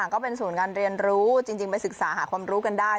ก็เป็นศูนย์การเรียนรู้จริงไปศึกษาหาความรู้กันได้